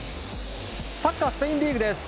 サッカースペインリーグです。